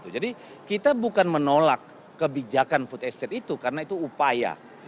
jadi kita bukan menolak kebijakan food estate itu karena itu upaya